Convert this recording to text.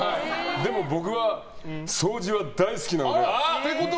でも、僕は掃除は大好きなので。